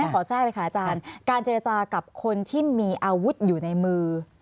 ขอแทรกเลยค่ะอาจารย์การเจรจากับคนที่มีอาวุธอยู่ในมือ